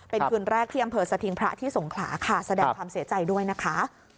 เป็นคืนแรกที่อำเภอสถิงพระที่สงขลาค่ะแสดงความเสียใจด้วยนะคะ